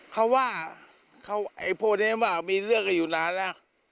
เขาว่าเพราะก็มีเรื่องคงอยู่นั้นล่ะ